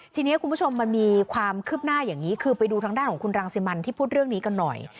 ทีนี้คุณผู้ชมมันมีความคืบหน้าอย่างนี้คือไปดูทางด้านของคุณรังสิมันที่พูดเรื่องนี้กันหน่อย